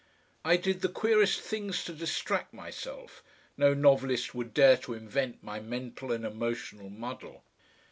I did the queerest things to distract myself no novelist would dare to invent my mental and emotional muddle.